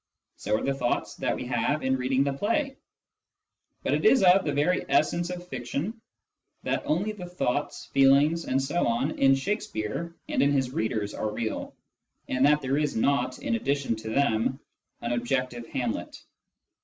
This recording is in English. So are the thoughts that we have in reading the play. But it is of the very essence of fiction that only the thoughts, feelings, etc., in Shakespeare and his readers are real, and that there is not, in addition to them, an objective Hamlet.